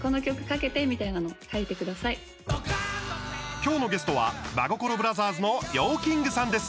今日のゲストは真心ブラサーズのＹＯ−ＫＩＮＧさんです。